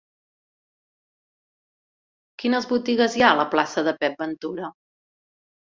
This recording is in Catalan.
Quines botigues hi ha a la plaça de Pep Ventura?